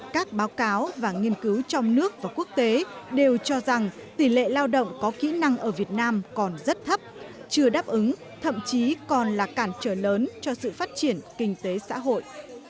các báo cáo và nghiên cứu trong nước và quốc tế đều cho rằng tỷ lệ lao động có kỹ năng ở việt nam còn rất thấp chưa đáp ứng thậm chí còn là cản trở lớn cho sự phát triển kinh tế xã hội